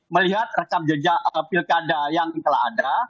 melihat rekam jejak pilkada yang telah ada